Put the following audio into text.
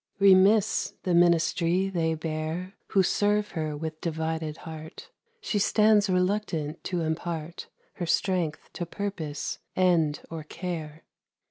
Remiss the ministry they bear Who serve her with divided heart ; She stands reluctant to impart Her strength to purpose, end, or care.